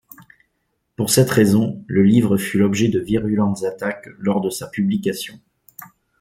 Pour cette raison, le livre fût l'objet de virulentes attaques lors de sa publication.